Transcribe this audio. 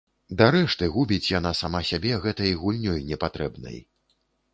Дарэшты губіць яна сама сябе гэтай гульнёй непатрэбнай.